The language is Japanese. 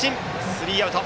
スリーアウト。